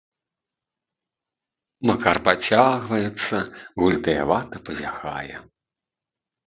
Макар пацягваецца, гультаявата пазяхае.